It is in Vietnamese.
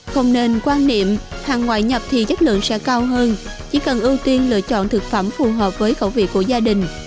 không nên quan niệm hàng ngoại nhập thì chất lượng sẽ cao hơn chỉ cần ưu tiên lựa chọn thực phẩm phù hợp với khẩu vị của gia đình